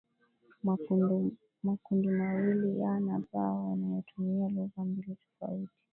makundimawili A na B yanayotumia lugha mbili tofauti